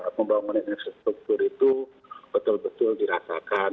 pembangunan infrastruktur itu betul betul dirasakan